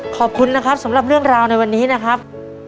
ขอบคุณนะครับสำหรับเรื่องราวในวันนี้นะครับ